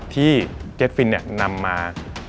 ที่เก็ตฟินนี่นำมา